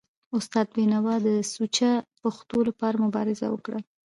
استاد بینوا د سوچه پښتو لپاره مبارزه وکړه.